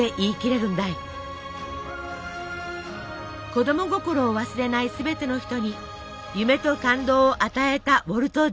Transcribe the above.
子供心を忘れないすべての人に夢と感動を与えたウォルト・ディズニー。